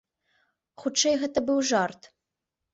Хутчэй, гэта быў жарт.